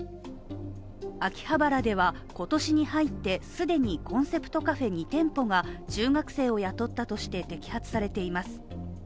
秋葉原では、今年に入って既にコンセプトカフェ２店舗が中学生を雇ったとして摘発されています。